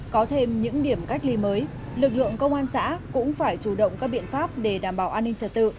có thêm những điểm cách ly mới lực lượng công an xã cũng phải chủ động các biện pháp để đảm bảo an ninh trật tự